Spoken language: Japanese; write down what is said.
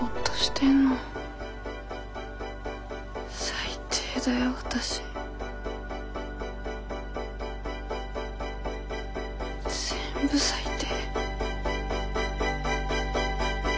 最低だよわたし。全部最低。